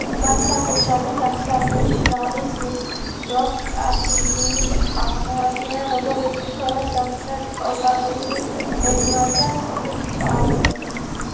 განსაკუთრებით აღსანიშნავის ის, რომ „კასინიმ“ აღმოაჩინა, როგორ იფრქვევა სამხრეთ პოლარული რეგიონიდან წყლის ჭავლები.